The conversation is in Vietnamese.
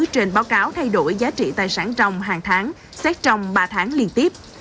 trên báo cáo thay đổi giá trị tài sản trong hàng tháng xét trong ba tháng liên tiếp